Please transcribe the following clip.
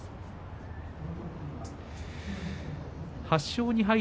８勝２敗